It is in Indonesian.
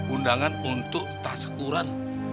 undangan untuk stasekuran